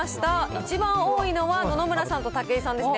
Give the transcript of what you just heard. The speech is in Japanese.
一番多いのは野々村さんと武井さんですね。